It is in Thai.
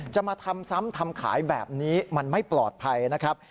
จะมาทำซ้ำทำขายแบบนี้มันไม่ปลอดภัยนะครับ